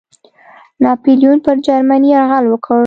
ناپلیون پر جرمني یرغل وکړ.